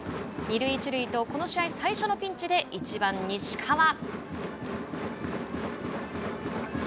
二塁一塁とこの試合、最初のピンチで１番西川。